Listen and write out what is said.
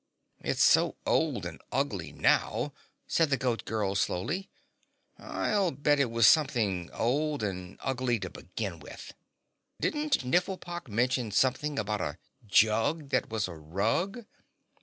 "It's so old and ugly now," said the Goat Girl slowly, "I'll bet it was something old and ugly to begin with. Didn't Nifflepok mention something about a jug that was a rug?